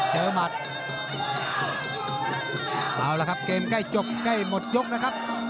หมัดเอาละครับเกมใกล้จบใกล้หมดยกนะครับ